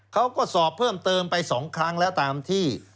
เขาก็สอบเพิ่มเติมไป๒ครั้งแล้วตามที่